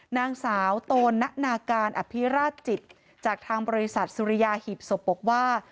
นางสาวโตนะนาการอภิราชจิตจากทางบริษัทสุริยาหีบศพบอกว่า